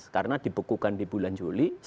karena dibekukan di bulan juli